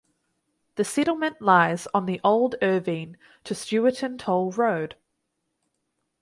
The settlement lies on the old Irvine to Stewarton toll road.